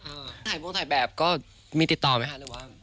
ถ่ายวงถ่ายแบบก็มีติดต่อไหมคะ